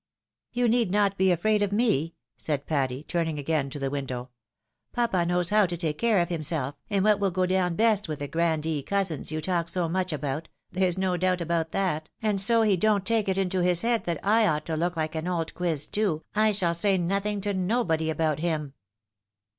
" You need not be afraid of me," said Patty, turning again to the window. " Papa knows how to take care of himself, and what will go down best with the grandee cousins you talk so much about, there's no doubt about that ; and so he don't take it into his head that I oflght to look like an old quiz too, I shall say nothing to nobody about him."